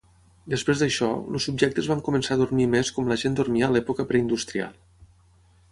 Després d'això, els subjectes van començar a dormir més com la gent dormia a l'època preindustrial.